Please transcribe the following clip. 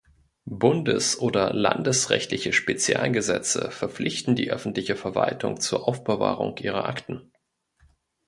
Bundes- oder landesrechtliche Spezialgesetze verpflichten die öffentliche Verwaltung zur Aufbewahrung ihrer Akten.